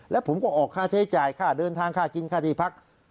แล้วผมก็ออกค่าใช้จ่ายค่าเดินทางค่ากินค่าที่พัก